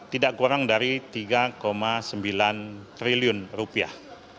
tidak kurang dari tiga sembilan triliun rupiah